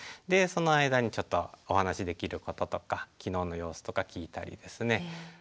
でその間にちょっとお話しできることとか昨日の様子とか聞いたりですね。